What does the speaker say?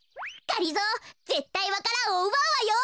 がりぞーぜったいわか蘭をうばうわよ。